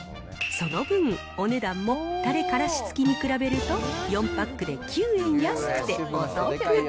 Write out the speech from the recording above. その分、お値段もたれ・からし付きに比べると４パックで９円安くてお得。